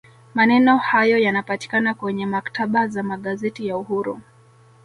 maneno hayo yanapatikana kwenye maktaba za magazeti ya uhuru